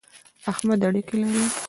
احمد اړېکی لري.